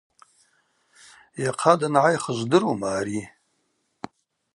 Йахъа дангӏайх жвдырума ари?